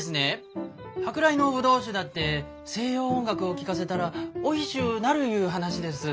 舶来のぶどう酒だって西洋音楽を聴かせたらおいしゅうなるいう話です。